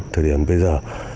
thời điểm bây giờ